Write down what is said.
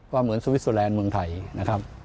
เหมือนสวิสเตอร์แลนด์เมืองไทยนะครับ